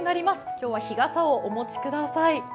今日は日傘をお持ちください。